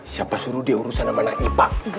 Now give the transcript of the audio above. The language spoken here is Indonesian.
siapa suruh dia urusan sama anak ibu pak